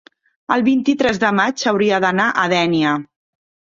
El vint-i-tres de maig hauria d'anar a Dénia.